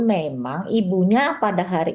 memang ibunya pada hari